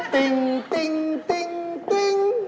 ทิ้งติ้ง